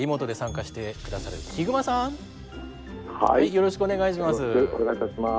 よろしくお願いします。